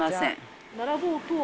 並ぼうとは？